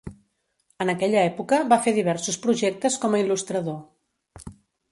En aquella època va fer diversos projectes com a il·lustrador.